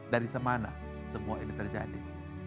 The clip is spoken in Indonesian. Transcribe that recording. dari semana semua ini terjadi